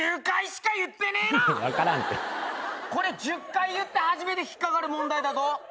これ１０回言って初めて引っ掛かる問題だぞ。